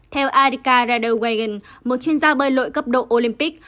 theo arika radewegan một chuyên gia bơi lội cấp độ olympic